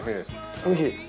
おいしい？